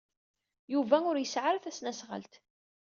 Yuba ur yesɛi ara tasnasɣalt.